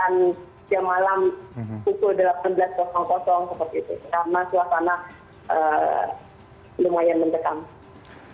karena suasana lumayan mendekat